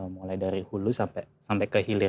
mulai dari hulu sampai kehilir